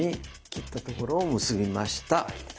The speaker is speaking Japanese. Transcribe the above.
切ったとこ結びました！